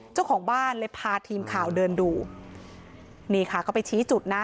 เจ้าของบ้านเลยพาทีมข่าวเดินดูนี่ค่ะเขาไปชี้จุดนะ